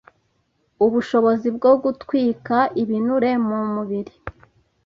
ubushobozi bwo gutwika ibinure mu mubiri